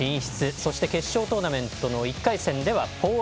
そして決勝トーナメント１回戦。